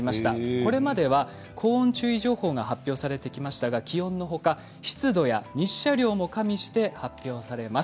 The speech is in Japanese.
これまでは高温注意情報が発表されてきましたが気温のほか湿度や日射量も加味して発表されます。